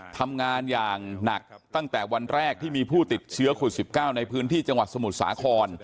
ทำงานอย่างหนักตั้งแต่วันแรกที่มีผู้ติดเชื้อโควิด๑๙ในพื้นที่จังหวัดสมุทรสาคร